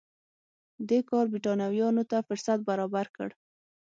دې کار برېټانویانو ته فرصت برابر کړ.